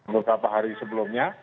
beberapa hari sebelumnya